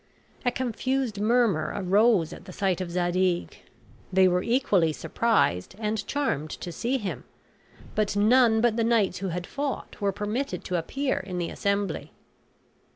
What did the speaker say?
A confused murmur arose at the sight of Zadig. They were equally surprised and charmed to see him; but none but the knights who had fought were permitted to appear in the assembly.